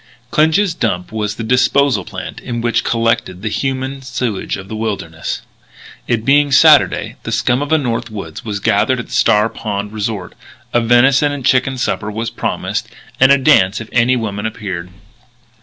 II Clinch's dump was the disposal plant in which collected the human sewage of the wilderness. It being Saturday, the scum of the North Woods was gathering at the Star Pond resort. A venison and chicken supper was promised and a dance if any women appeared.